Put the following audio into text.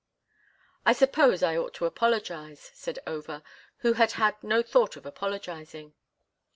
"I suppose I ought to apologize," said Over, who had had no thought of apologizing.